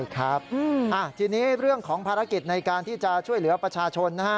ครับทีนี้เรื่องของภารกิจในการที่จะช่วยเหลือประชาชนนะฮะ